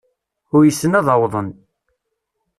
Uysen ad awḍen.